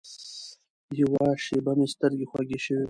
یوه شېبه مې سترګې خوږې شوې وې.